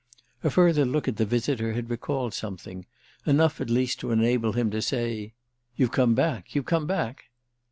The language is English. A further look at the visitor had recalled something, enough at least to enable him to say: "You've come back, you've come back?"